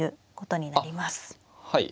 はい。